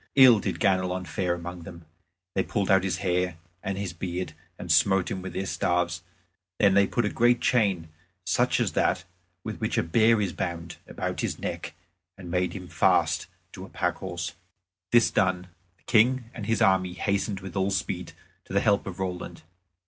Ill did Ganelon fare among them. They pulled out his hair and his beard and smote him with their staves; then they put a great chain, such as that with which a bear is bound, about his neck, and made him fast to a pack horse. This done, the King and his army hastened with all speed to the help of Roland.